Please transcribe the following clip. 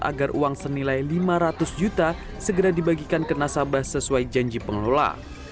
agar uang senilai lima ratus juta segera dibagikan ke nasabah sesuai janji pengelola